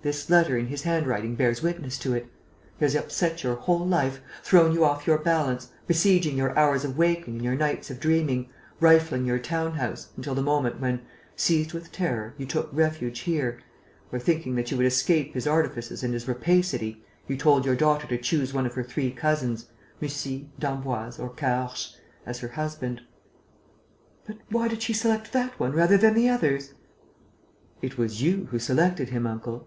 This letter in his handwriting bears witness to it. He has upset your whole life, thrown you off your balance, besieging your hours of waking and your nights of dreaming, rifling your town house, until the moment when, seized with terror, you took refuge here, where, thinking that you would escape his artifices and his rapacity, you told your daughter to choose one of her three cousins, Mussy, d'Emboise or Caorches, as her husband. "But why did she select that one rather than the others?" "It was you who selected him, uncle."